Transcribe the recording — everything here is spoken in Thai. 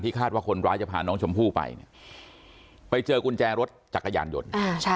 คาดว่าคนร้ายจะพาน้องชมพู่ไปเนี่ยไปเจอกุญแจรถจักรยานยนต์